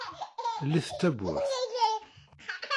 Llit tawwurt.